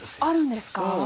あるんですか？